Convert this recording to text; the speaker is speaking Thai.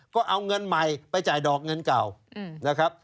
ก็เอาเงินใหม่ไปจ่ายดอกเงินเก่านะครับ